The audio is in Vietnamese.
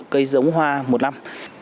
cây giống hoa một năm